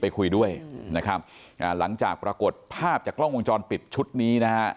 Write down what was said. คุยด้วยนะครับอ่าหลังจากปรากฏภาพจากกล้องวงจรปิดชุดนี้นะฮะ